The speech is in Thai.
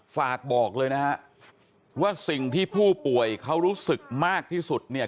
ฝากบอกเลยนะฮะว่าสิ่งที่ผู้ป่วยเขารู้สึกมากที่สุดเนี่ย